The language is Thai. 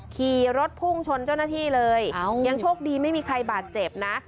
ขี่รถพุ่งชนเจ้าหน้าที่เลยยังโชคดีไม่มีใครบาดเจ็บนะ